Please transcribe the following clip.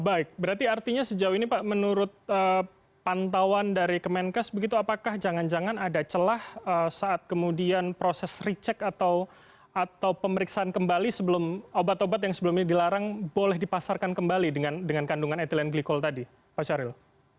baik berarti artinya sejauh ini pak menurut pantauan dari kemenkes begitu apakah jangan jangan ada celah saat kemudian proses recheck atau pemeriksaan kembali sebelum obat obat yang sebelumnya dilarang boleh dipasarkan kembali dengan kandungan etilen glikol tadi pak syahril